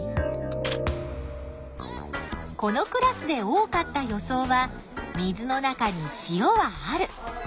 このクラスで多かった予想は水の中に塩はある。